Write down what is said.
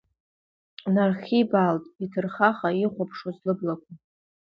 Нархибаалт иҭырхаха ихәаԥшуаз лыблақәа.